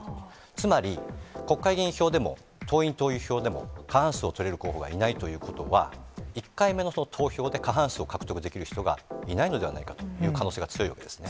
つまり、国会議員票でも党員・党友票でも、過半数を取れる候補がいないということは、１回目の投票で過半数を獲得できる人がいないのではないかという可能性が強いわけですね。